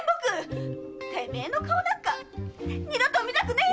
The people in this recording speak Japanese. てめえの顔なんか二度と見たくねえやい！